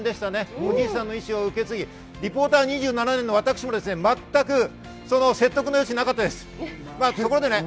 おじいさんの遺志を受け継ぎ、リポーター２７年の私も全く説得の余地がなかったです。